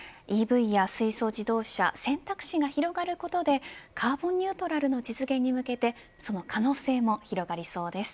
ＥＶや水素自動車、選択肢が広がることでカーボンニュートラルの実現に向けてその可能性も広がりそうです。